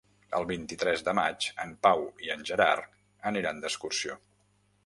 El vint-i-tres de maig en Pau i en Gerard aniran d'excursió.